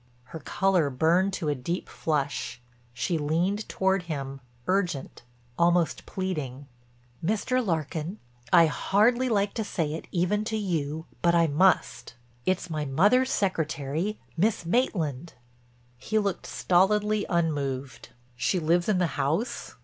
Her color burned to a deep flush; she leaned toward him, urgent, almost pleading: "Mr. Larkin, I hardly like to say it even to you, but I must. It's my mother's secretary, Miss Maitland." He looked stolidly unmoved: "She lives in the house?"